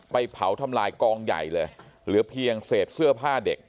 เผาทำลายกองใหญ่เลยเหลือเพียงเศษเสื้อผ้าเด็ก